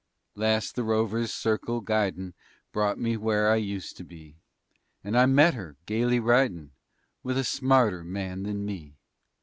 _ Last the rover's circle guidin' Brought me where I used to be, And I met her, gaily ridin' With a smarter man than me.